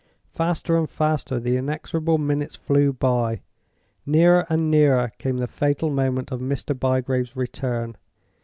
Faster and faster the inexorable minutes flew by; nearer and nearer came the fatal moment of Mr. Bygrave's return.